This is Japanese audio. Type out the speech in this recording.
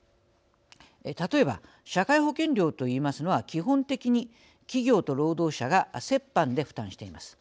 例えば社会保険料と言いますのは基本的に企業と労働者が折半で負担しています。